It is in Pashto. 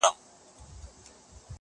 ښه خبر وو مندوشاه له مصیبته-